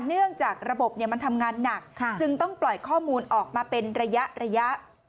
เนื่องจากระบบมันทำงานหนักจึงต้องปล่อยข้อมูลออกมาเป็นระยะ